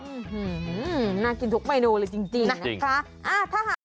หือน่ากินทุกไมโนเลยจริงนะครับ